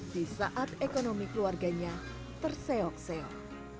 di saat ekonomi keluarganya terseok seok